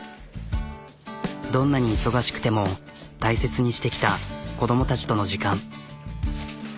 どんなに忙しくても大切にしてきた子どもたちとの時間。